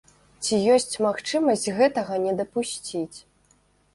Ці ёсць магчымасць гэтага не дапусціць?